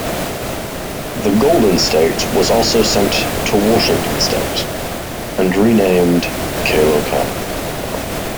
The "Golden State" was also sent to Washington state and renamed "Kehloken".